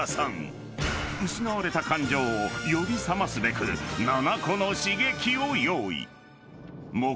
［失われた感情を呼び覚ますべく７個の刺激を用意］